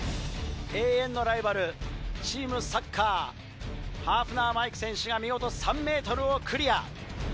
永遠のライバルチームサッカーハーフナー・マイク選手が見事３ｍをクリア。